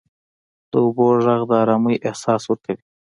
• د اوبو ږغ د آرامۍ احساس ورکوي.